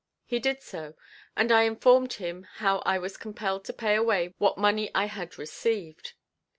He did so, and I informed him how I was compelled to pay away what money I had received.